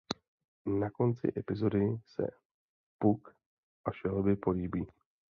Na konci epizody se Puck a Shelby políbí.